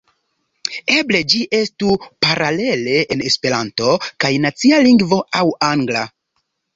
Eble ĝi estu paralele en Esperanto kaj nacia lingvo aŭ angla.